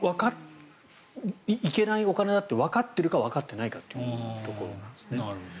いけないお金だってわかってるか、わかってないかというところなんですね。